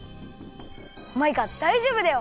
マイカだいじょうぶだよ！